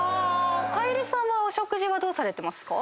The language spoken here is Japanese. さゆりさんはお食事はどうされてますか？